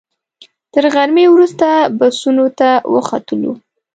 تر غرمې وروسته بسونو ته وختلو.